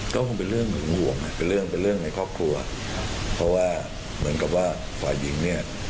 ก็คงเป็นเรื่องหึงห่วงเป็นเรื่องเป็นเรื่องในครอบครัวเพราะว่าเหมือนกับว่าฝ่ายหญิงเนี่ย